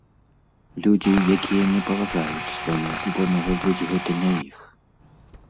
Людзі, якія не паважаюць сваё, бо, можа быць, гэта не іх.